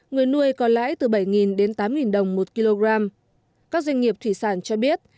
người nuôi có lãi từ bảy đến tám đồng một kg các doanh nghiệp thủy sản cho biết